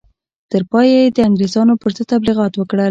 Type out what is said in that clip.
تر پایه یې د انګرېزانو پر ضد تبلیغات وکړل.